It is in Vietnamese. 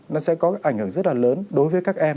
nó sẽ có ảnh hưởng rất là lớn đối với các em